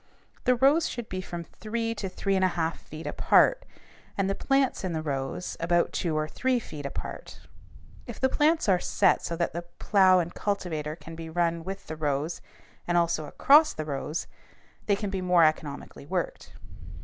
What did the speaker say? The rows should be from three to three and a half feet apart, and the plants in the rows about two or three feet apart. If the plants are set so that the plow and cultivator can be run with the rows and also across the rows, they can be more economically worked.